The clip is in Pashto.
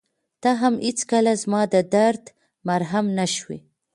ته هم هېڅکله زما د درد مرهم نه شوې.